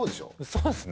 そうですね